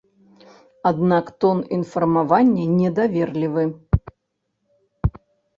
Аднак тон інфармавання недаверлівы.